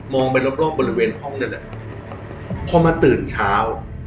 ไปรอบรอบบริเวณห้องนั่นแหละพอมาตื่นเช้า